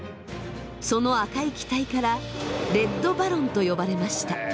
その赤い機体から「レッドバロン」と呼ばれました。